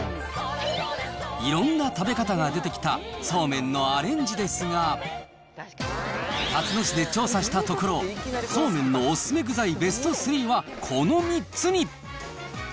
いろんな食べ方が出てきたそうめんのアレンジですが、たつの市で調査したところ、そうめんのお勧め具材ベスト３は、この３つに。